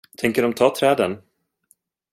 Tänker de ta träden?